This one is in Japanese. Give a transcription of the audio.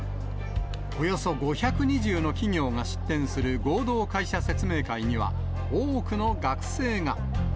およそ５２０の企業が出展する合同会社説明会には、多くの学生が。